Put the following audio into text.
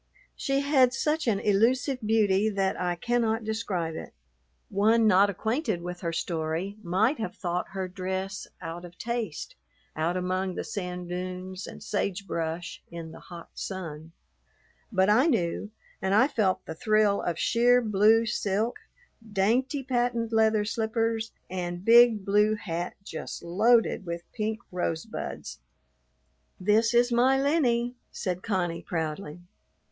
She had such an elusive beauty that I cannot describe it. One not acquainted with her story might have thought her dress out of taste out among the sand dunes and sage brush in the hot sun, but I knew, and I felt the thrill of sheer blue silk, dainty patent leather slippers, and big blue hat just loaded with pink rose buds. [Footnote 1: The author's daughter, aged eight.] "This is my Lennie," said Connie proudly.